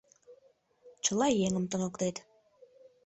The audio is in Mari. Чыла еҥым туныктет